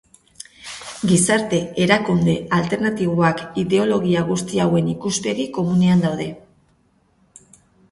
Gizarte erakunde alternatiboak ideologia guzti hauen ikuspegi komunean daude.